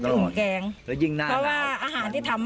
เพราะว่าอาหารที่ทำให้เขาเนี่ย